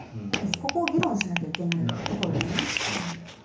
ここを議論しなきゃいけないところですよね。